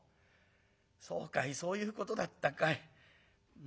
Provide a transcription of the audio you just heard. そうかいそういうことだったかい。